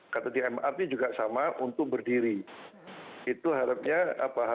kata dpr ini juga sama untuk berdiri itu harapannya mereka berdiri di situ